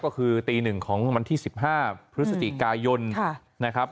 ก็คือตีหนึ่งของประมาณที่สิบห้าพฤศจิกายนนะครับ